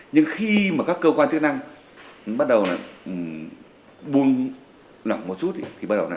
nhưng khi các cơ quan chức năng bắt đầu buông lỏng một chút thì bắt đầu bùng lên